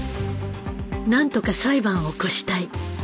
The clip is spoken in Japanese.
何とか裁判を起こしたい。